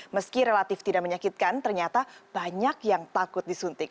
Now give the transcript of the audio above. meski relatif tidak menyakitkan ternyata banyak yang takut disuntik